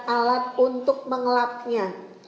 alat untuk mengelapnya